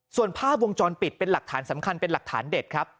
ส่วนภาพวงจรปิดเป็นหลักฐานสำคัญเป็นหลักฐานเด็ดครับ